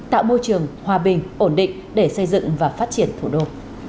tạo môi trường hòa bình ổn định để xây dựng và phát triển thủ đô